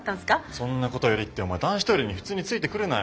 「そんなことより」ってお前男子トイレに普通についてくるなよ。